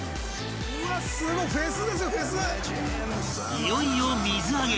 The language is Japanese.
［いよいよ水揚げ。